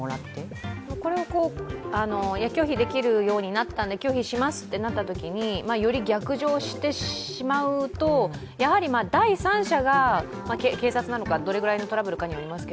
これを拒否できるようになったんで拒否しますとなったときに、より逆上してしまうと、やはり第三者が警察なのかどれぐらいのトラブルかによります